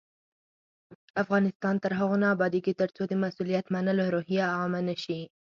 افغانستان تر هغو نه ابادیږي، ترڅو د مسؤلیت منلو روحیه عامه نشي.